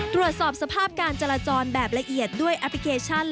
ตรวจสอบสภาพการจราจรแบบละเอียดด้วยแอปพลิเคชัน